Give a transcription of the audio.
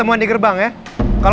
apa bapak ketangkep